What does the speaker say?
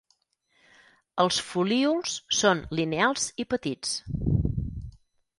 Els folíols són lineals i petits.